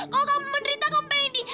kalo kamu menderita kamu pengen di